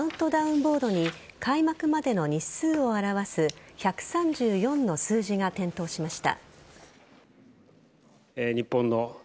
ボードに開幕までの日数を表す１３４の数字が点灯しました。